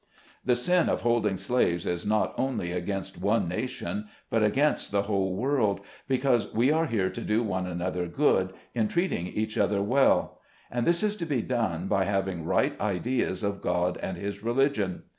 The sin of holding slaves is not only against one nation, but against the whole world, because we are here to do one another good, in treating each other well ; and this is to be done by having right ideas of God and his religion.